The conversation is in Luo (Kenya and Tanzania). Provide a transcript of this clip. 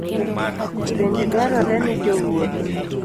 Bende dwarore ni jowuoth